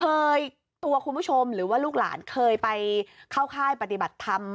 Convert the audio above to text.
ตัวคุณผู้ชมหรือว่าลูกหลานเคยไปเข้าค่ายปฏิบัติธรรม